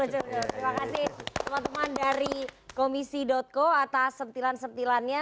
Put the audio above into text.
terima kasih teman teman dari komisi co atas sentilan sentilannya